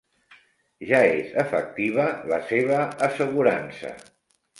Ja és efectiva la seva assegurança.